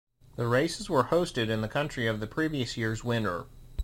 The races were hosted in the country of the previous year's winner.